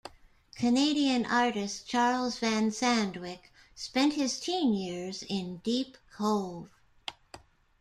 Canadian artist Charles van Sandwyk spent his teen years in Deep Cove.